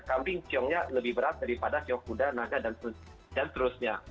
kambing ciongnya lebih berat daripada siwa kuda naga dan terusnya